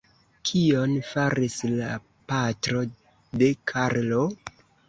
Kion faris la patro de Karlo?